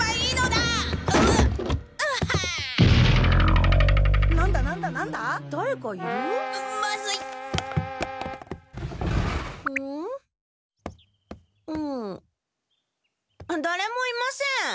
だれもいません！